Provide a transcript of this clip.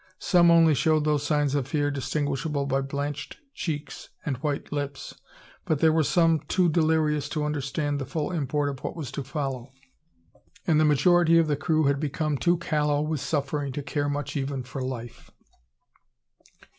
Some only showed those signs of fear distinguishable by blanched cheeks and white lips; but there were some too delirious to understand the full import of what was to follow; and the majority of the crew had become too callow with suffering to care much even for life!